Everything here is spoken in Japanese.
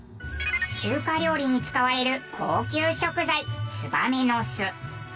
中華料理に使われる高級食材燕の巣。